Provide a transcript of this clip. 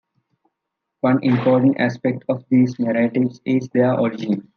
One important aspect of these narratives is their origin.